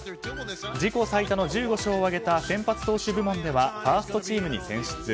自己最多の１５勝を挙げた先発投手部門ではファーストチームに選出。